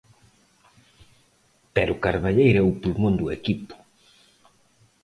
Pero Carballeira é o pulmón do equipo.